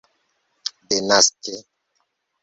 denaske